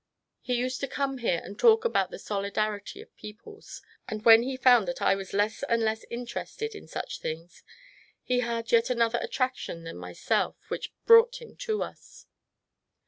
He used to come here and talk about the '' solidarity of peoples ;" and when he found that I was less and less interested in such things, he had yet another attraction than myself which brought him to us.